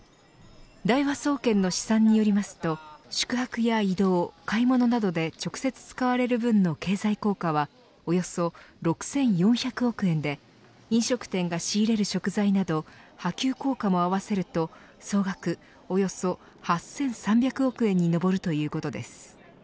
大和総研の試算によりますと宿泊や移動、買い物などで直接使われる分の経済効果はおよそ６４００億円で飲食店が仕入れる食材など波及効果も合わせると総額およそ８３００億円に上るということです。